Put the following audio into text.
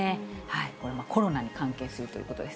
これもコロナに関係するということです。